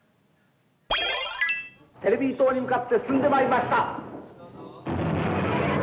テレビ塔に向かって進んでまいりました。